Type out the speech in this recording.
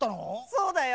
そうだよ！